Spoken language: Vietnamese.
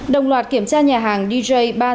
đồng loạt kiểm tra nhà hàng dj ba trăm sáu mươi năm